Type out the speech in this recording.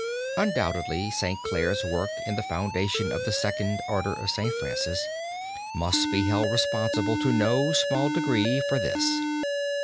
Undoubtedly Saint Clare's work in the foundation of the second order of St. Francis must be held responsible to no small degree for this.